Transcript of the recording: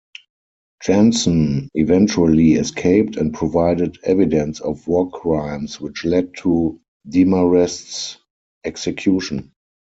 Janson eventually escaped and provided evidence of war crimes, which led to Demarest's execution.